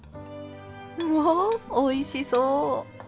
わあおいしそう！